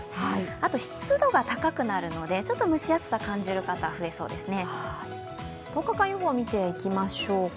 あと湿度が高くなるので、ちょっと蒸し暑く感じる方、増えそうですね。